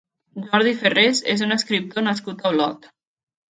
Jordi Ferrés és un escriptor nascut a Olot.